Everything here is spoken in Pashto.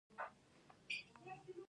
آیا وړتیا ته ارزښت ورکول کیږي؟